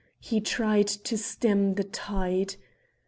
He tried to stem the tide.